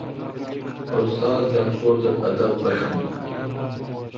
استاد لٹکور تھ ادب مشو۔